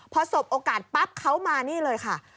พอสบโอกาสปั๊บเขามานี่เลยค่ะ